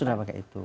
sudah pakai itu